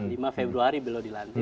lima februari beliau dilantik